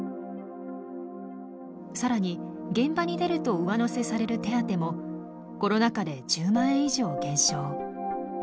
更に現場に出ると上乗せされる手当もコロナ禍で１０万円以上減少。